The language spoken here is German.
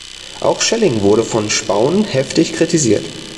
Auch Schelling wurde von Spaun heftig kritisiert.